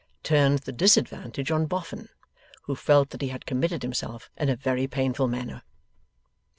turned the disadvantage on Boffin, who felt that he had committed himself in a very painful manner.